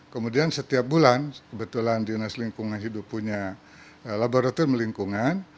kemudian setiap bulan kebetulan dinas lingkungan hidup punya laboratorium lingkungan